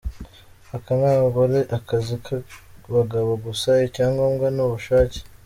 Aka ntabwo ari akazi k’abagabo gusa, icyangombwa ni ubushake.